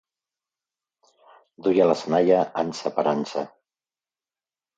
Duia la senalla ansa per ansa.